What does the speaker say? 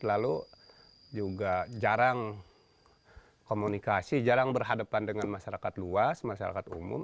lalu juga jarang komunikasi jarang berhadapan dengan masyarakat luas masyarakat umum